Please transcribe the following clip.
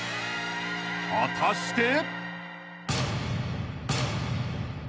［果たして］